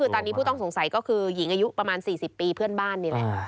ตอนนี้ผู้ต้องสงสัยก็คือหญิงอายุประมาณ๔๐ปีเพื่อนบ้านนี่แหละ